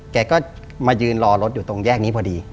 แกก็มายืนรอรถอยู่ตรงแยกนี้พอดี